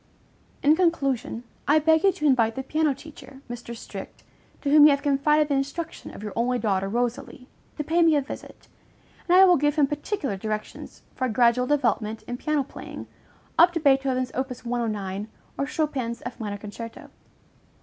In conclusion, I beg you to invite the piano teacher, Mr. Strict, to whom you have confided the instruction of your only daughter, Rosalie, to pay me a visit, and I will give him particular directions for a gradual development in piano playing, up to Beethoven's op. 109 or Chopin's F minor concerto.